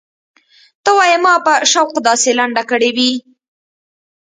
ته وايې ما به په شوق داسې لنډه کړې وي.